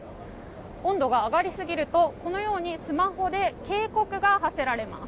温度が上がりすぎるとこのように、スマホで警告が発せられます。